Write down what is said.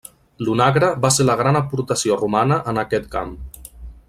L'onagre va ser la gran aportació romana en aquest camp.